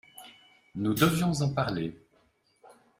Nous devions en parler.